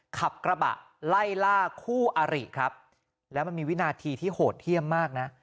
ขับกระบะไล่ล่าคู่อาริครับแล้วมันมีวินาทีที่โหดเยี่ยมมากนะ